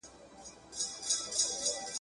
هره شېبه ولګېږي زر شمعي !.